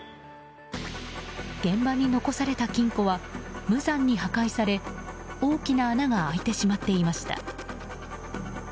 現場に残された金庫は無残に破壊され大きな穴が開いてしまっていました。